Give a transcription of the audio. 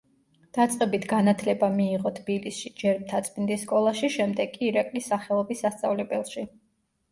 დაწყებით განათლება მიიღო თბილისში, ჯერ მთაწმინდის სკოლაში, შემდეგ კი ირაკლის სახელობის სასწავლებელში.